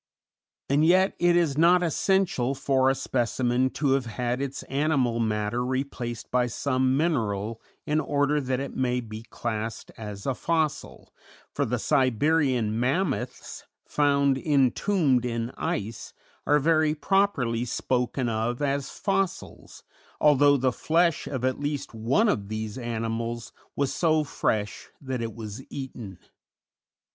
And yet it is not essential for a specimen to have had its animal matter replaced by some mineral in order that it may be classed as a fossil, for the Siberian Mammoths, found entombed in ice, are very properly spoken of as fossils, although the flesh of at least one of these animals was so fresh that it was eaten.